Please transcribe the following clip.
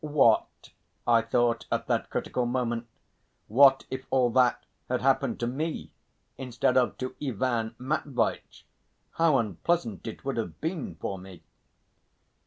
"What," I thought at that critical moment, "what if all that had happened to me instead of to Ivan Matveitch how unpleasant it would have been for me!"